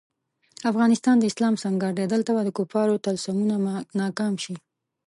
افغانستان د اسلام سنګر دی، دلته به د کفارو طلسمونه ناکام شي.